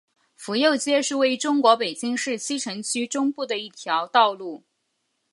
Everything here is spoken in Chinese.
府右街是位于中国北京市西城区中部的一条道路。